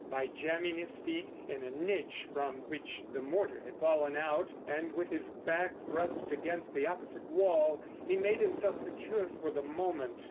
By jamming his feet in a niche from which the mortar had fallen out, and with his back thrust against the opposite wall, he made himself secure for the moment.